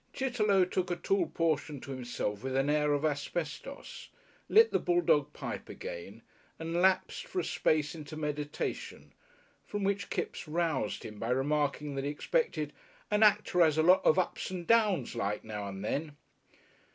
Chitterlow took a tall portion to himself with an air of asbestos, lit the bulldog pipe again, and lapsed for a space into meditation, from which Kipps roused him by remarking that he expected "an acter 'as a lot of ups and downs like, now and then."